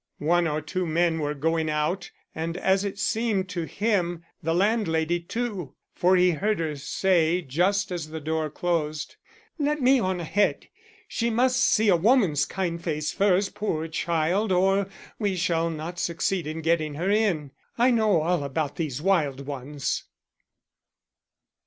One or two men were going out, and as it seemed to him the landlady too, for he heard her say just as the door closed: "Let me on ahead; she must see a woman's kind face first, poor child, or we shall not succeed in getting her in. I know all about these wild ones."